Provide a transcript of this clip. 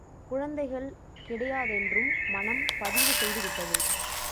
குழந்தைகள் கிடையாதென்றும் மனம் பதிவு செய்து விட்டது.